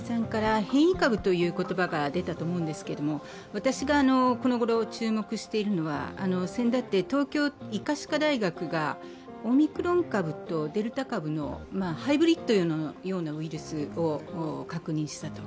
今、変異株という言葉が出たと思うんですが、私がこのごろ注目しているのは、せんだって東京医科歯科大学がオミクロン株とデルタ株のハイブリッドのような株を確認したと。